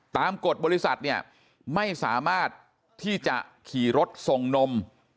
ตามกฎบริษัทไม่สามารถที่จะขี่รถส่งนม